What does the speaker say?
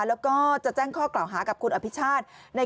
แล้วก็จะแจ้งข้อกล่าวหากับคุณอภิชาติ